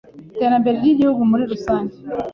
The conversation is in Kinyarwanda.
iterambere ry’igihugu muri rusange